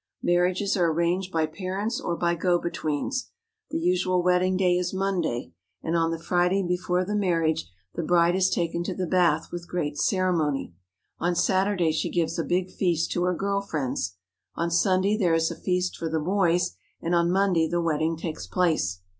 Marriages are arranged by parents or by go betweens. The usual wed ding day is Monday, and on the Friday before the mar riage the bride is taken to the bath with great ceremony. On Saturday she gives a big feast to her girl friends. On Sunday there is a feast for the boys, and on Monday the wedding takes place.